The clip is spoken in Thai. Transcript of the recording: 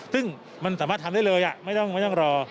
ซึ่งมันสามารถทำได้เลยไม่ต้องรอ